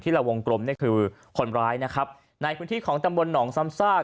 ที่ละวงกลมนี่คือคนมร้ายนะครับในคุณที่ของตำบลหนองซามซาก